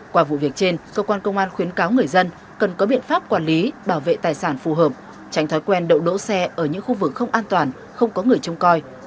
qua vụ việc trên cơ quan công an khuyến cáo người dân cần có biện pháp quản lý bảo vệ tài sản phù hợp tránh thói quen đậu đỗ xe ở những khu vực không an toàn không có người trông coi